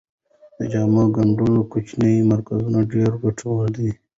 د جامو ګنډلو کوچني مرکزونه ډیر ګټور دي.